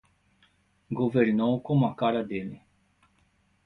Governou como a cara dele!